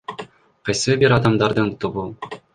Кайсы бир адамдардын тобу.